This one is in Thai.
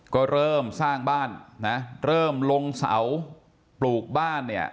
ก็เริ่มสร้างบ้านเริ่มลงเสาปลูกบ้าน